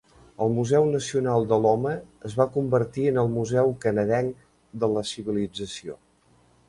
El Museu Nacional de l'Home es va convertir en el Museu Canadenc de la Civilització.